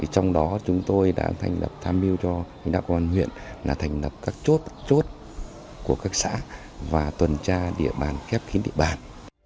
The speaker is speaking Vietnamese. trong đó chúng tôi đã thành lập tham mưu cho lãnh đạo công an huyện là thành lập các chốt chốt của các xã và tuần tra địa bàn khép kín địa bàn